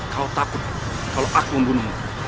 kau takut kalau aku membunuh